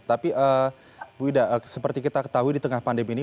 tapi bu ida seperti kita ketahui di tengah pandemi ini